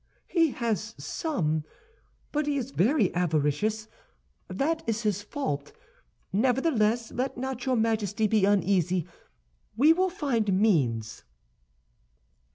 "He has some, but he is very avaricious; that is his fault. Nevertheless, let not your Majesty be uneasy, we will find means."